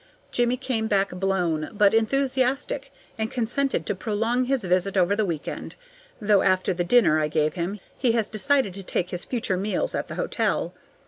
Jimmie came back blown, but enthusiastic, and consented to prolong his visit over the week end, though after the dinner I gave him he has decided to take his future meals at the hotel.